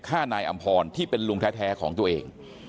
ฆ่านายอำพรที่เป็นลุงแท้ของตัวเอง